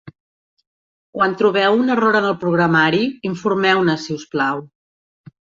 Quan trobeu un error en el programari, informeu-ne, si us plau.